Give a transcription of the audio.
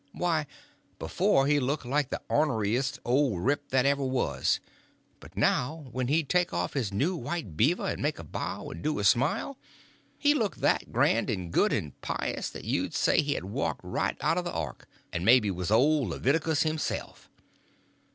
Why, before, he looked like the orneriest old rip that ever was; but now, when he'd take off his new white beaver and make a bow and do a smile, he looked that grand and good and pious that you'd say he had walked right out of the ark, and maybe was old Leviticus himself.